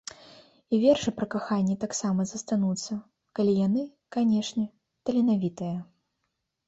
І вершы пра каханне таксама застануцца, калі яны, канешне, таленавітыя.